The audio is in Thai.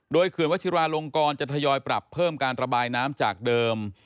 โดยเขื่อนวัชิราลงกรจะทยอยปรับเพิ่มการระบายน้ำจากเดิม